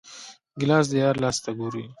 ګیلاس د یار لاس ته ګوري.